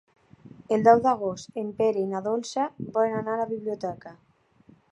El deu d'agost en Pere i na Dolça volen anar a la biblioteca.